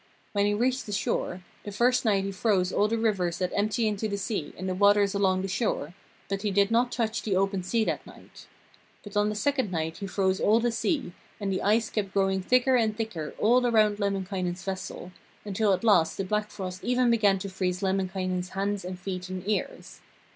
When he reached the shore, the first night he froze all the rivers that empty into the sea and the waters along the shore, but he did not touch the open sea that night. But on the second night he froze all the sea, and the ice kept growing thicker and thicker all around Lemminkainen's vessel, until at last the Black frost even began to freeze Lemminkainen's hands and feet and ears.